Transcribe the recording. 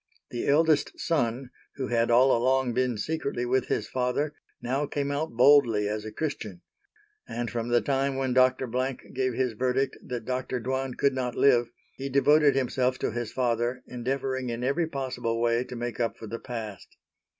The eldest son, who had all along been secretly with his father, now came out boldly as a Christian; and from the time when Dr. Blank gave his verdict that Dr. Dwan could not live, he devoted himself to his father endeavoring in every possible way to make up for the past.